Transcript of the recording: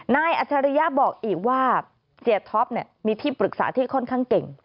อัจฉริยะบอกอีกว่าเสียท็อปมีที่ปรึกษาที่ค่อนข้างเก่ง